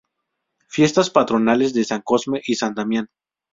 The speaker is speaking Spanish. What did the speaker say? Fiestas patronales de San Cosme y San Damián.